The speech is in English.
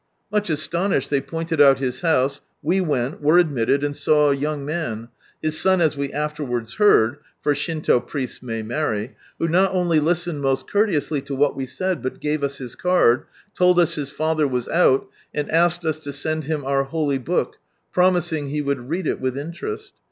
Much astonished they pointed out his house, we went, were admitted, and saw a young man, his son as we afterwards heard (for Shinto priests may marry), who not only listened most courteously to what we said, but gave us his card, told us his father was out, and asked ns to send him our holy Book, promising he would read it with interest.